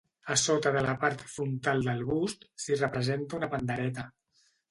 A sota de la part frontal del bust s'hi representa una pandereta.